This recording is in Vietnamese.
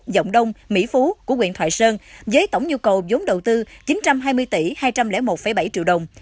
với tổng nhu cầu vốn đầu tư chín trăm hai mươi tỷ hai trăm linh một bảy triệu đồng